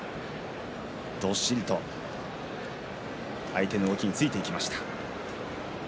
どっしりと相手の動きについていきました。